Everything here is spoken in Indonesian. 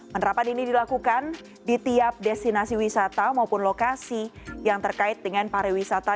penerapan ini dilakukan di tiap destinasi wisata maupun lokasi yang terkait dengan pariwisata